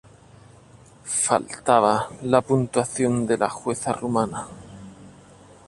Faltaba la puntuación de la jueza rumana.